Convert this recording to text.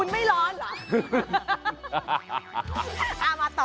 คุณไม่ร้อนเหรอ